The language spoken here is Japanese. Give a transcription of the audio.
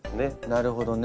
なるほどね。